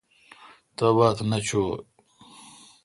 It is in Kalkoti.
تباتھ نہ چو۔